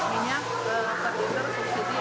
minyak per liter subsidi